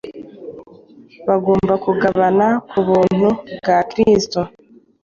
Bagomba kugabana ku buntu bwa Kristo